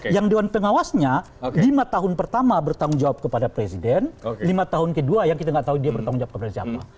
yang dewan pengawasnya lima tahun pertama bertanggung jawab kepada presiden lima tahun kedua yang kita nggak tahu dia bertanggung jawab kepada siapa